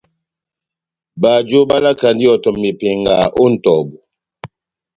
Bajo balakandi ihɔtɔ mepenga ó nʼtɔbu.